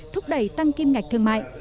thúc đẩy tăng kim ngạch thương mại